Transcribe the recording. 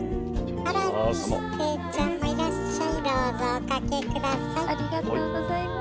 ありがとうございます。